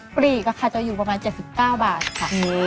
ปลีกค่ะจะอยู่ประมาณ๗๙บาทค่ะ